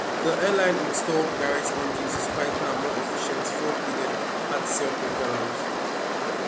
The airline installed Garrett engines with quieter and more efficient four-bladed Hartzell propellers.